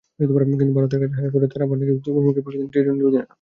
কিন্তু ভারতের কাছে হারের পরেই আবার তোপের মুখে পাকিস্তানের টি-টোয়েন্টি অধিনায়ক।